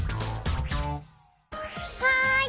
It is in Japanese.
はい！